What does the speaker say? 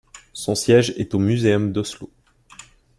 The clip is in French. Son siège est au muséum d'Oslo.